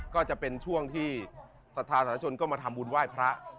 ก็จะเป็นช่วงที่สถานชนก็มาทำบุญไหว้พระ